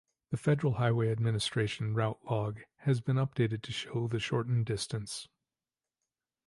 The Federal Highway Administration route log has been updated to show the shortened distance.